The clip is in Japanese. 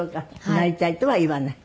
なりたいとは言わない。